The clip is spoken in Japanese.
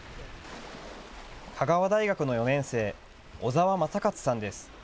香川大学の４年生、小澤政勝さんです。